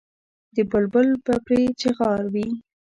د بلبل به پرې چیغار وي.